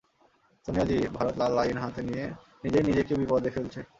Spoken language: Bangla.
সোনিয়াজি, ভারত লাল আইন হাতে নিয়ে নিজেই নিজেকে বিপদে ফেলছে।